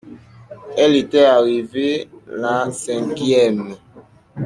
Elle était arrivée la cinquième.